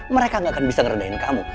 mereka gak akan bisa ngerendahin kamu